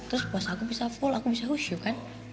terus puasa aku bisa full aku bisa hujuh kan